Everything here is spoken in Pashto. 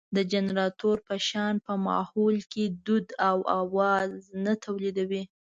د جنراتور په شان په ماحول کې دود او اواز نه تولېدوي.